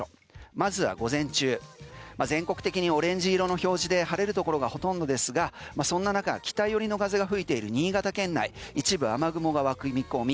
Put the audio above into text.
まずは午前中全国的にオレンジ色の表示で晴れるところがほとんどですがそんな中北寄りの風が吹いている新潟県内一部雨雲が湧く見込み。